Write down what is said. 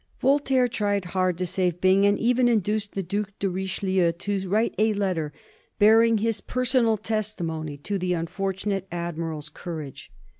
'* Voltaire tried hard to save Byng, and even induced the Due de Richelieu to write a letter bearing his personal testimony to the unfortunate admiral's courage.